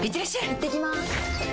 いってきます！